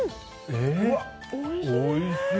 おいしい！